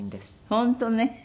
本当ね。